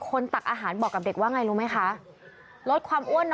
คนตักอาหารบอกกับเด็กว่าอย่างไรรู้ไหมคะ